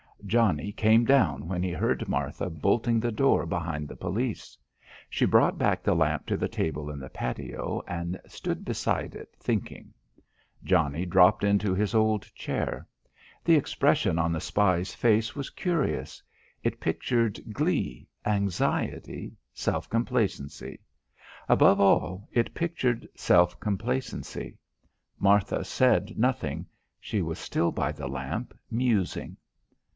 Johnnie came down when he heard Martha bolting the door behind the police. She brought back the lamp to the table in the patio and stood beside it, thinking. Johnnie dropped into his old chair. The expression on the spy's face was curious; it pictured glee, anxiety, self complacency; above all it pictured self complacency. Martha said nothing; she was still by the lamp, musing.